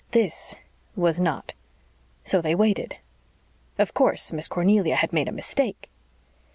This was not. So they waited. Of course Miss Cornelia had made a mistake.